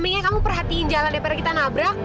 mendingan kamu perhatiin jalan depan kita nabra